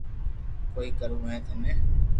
ڪوئي ڪروہ ھي ٿني